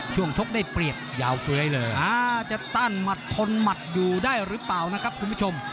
ชกได้เปรียบยาวเฟ้ยเลยจะต้านหมัดทนหมัดอยู่ได้หรือเปล่านะครับคุณผู้ชม